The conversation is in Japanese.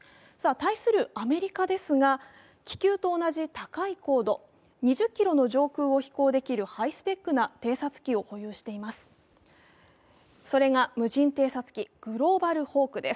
対するアメリカですが、気球と同じ高い高度、２０ｋｍの上空を飛行できるハイスペックな偵察機を保有しています。